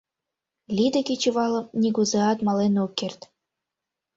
Лида кечывалым нигузеат мален ок керт.